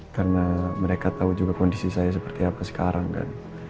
karena mereka tau juga kondisi saya seperti apa sekarang kan